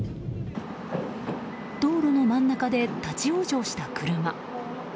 道路の真ん中で立ち往生した車。